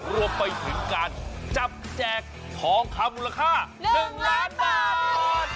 รวมไปถึงการจับแจกทองคำมูลค่า๑ล้านบาท